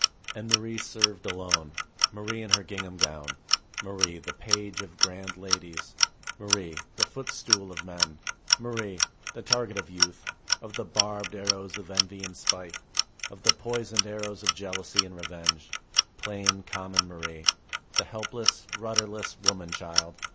MARIE 25 And Marie served alone ; Marie in her gingham gown ; Marie, the page of grand ladies ; Marie, the footstool of men ; Marie, the target of youth, of the barbed arrows of envy and spite, of the poisoned arrows of jealousy and revenge; plain, common Marie, the helpless, rudderless woman child